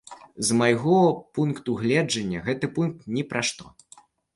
З майго пункту гледжання, гэты пункт ні пра што.